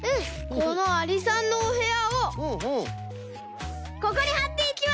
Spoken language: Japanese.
このありさんのおへやをここにはっていきます！